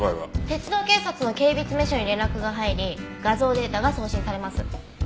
鉄道警察の警備詰所に連絡が入り画像データが送信されます。